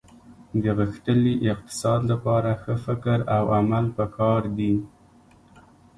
د غښتلي اقتصاد لپاره ښه فکر او عمل په کار دي